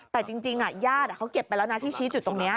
แต่จริงญาติเขาเก็บไปแล้วนะที่ชี้จุดตรงนี้